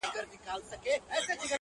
• له پروازه وه لوېدلي شهپرونه ,